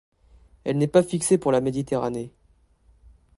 Elle n'est pas fixée pour la Méditerranée.